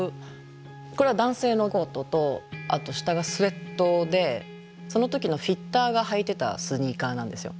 これは男性のコートとあと下がスエットでその時のフィッターが履いてたスニーカーなんですよ。